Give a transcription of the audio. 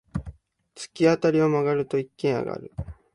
突き当たりを曲がると、一軒家がある。